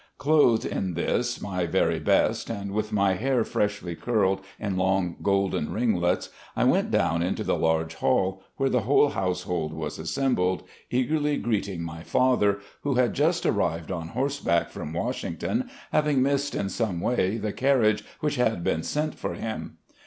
Clothed in this, my very best, and with my hair freshly curled in long golden ringlets, I 3 4 RECOLLECTIONS OF GENERAL LEE went down into the large hall where the whole household was assembled, eagerly greeting my father, who had just arrived on horseback from Washington, having missed in some way the carriage which had been sent for him.